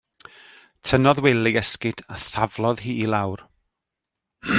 Tynnodd Wil ei esgid a thaflodd hi i lawr.